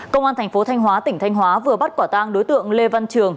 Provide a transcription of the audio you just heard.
công an tp thanh hóa tỉnh thanh hóa vừa bắt quả tang đối tượng lê văn trường